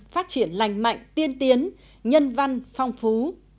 phát triển lành mạnh tiên tiến nhân văn phong phú